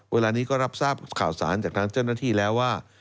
เวลานี้ก็รับทราบข่าวสารจากทางเจ้าหน้าที่แล้วว่า